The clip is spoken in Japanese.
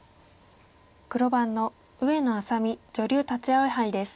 黒番の上野愛咲美女流立葵杯です。